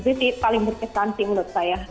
itu sih paling berkesan sih menurut saya